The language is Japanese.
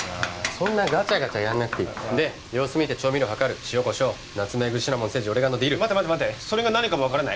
そんなガチャガチャやんなくていいで様子見て調味料量る塩コショウナツメグシナモンセージオレガノディル待って待って待ってそれが何かも分からない